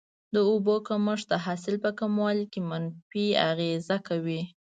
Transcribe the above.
د اوبو کمښت د حاصل په کموالي منفي اغیزه کوي.